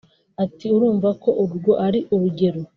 Ati” Urumva ko urwo ari urugero